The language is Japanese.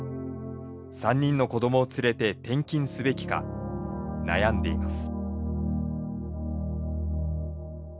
３人の子どもを連れて転勤すべきか悩んでいます。